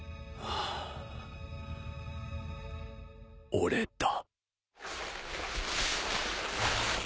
俺だ。